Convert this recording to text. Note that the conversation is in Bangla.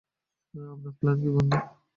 আপনার প্ল্যান কী, বন্ধু?